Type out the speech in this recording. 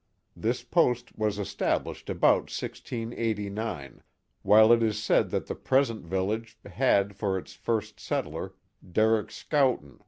This post was established about [689, while it is said that the present village had for its first settler Derick Scow ton.